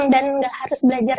dan gak harus belajar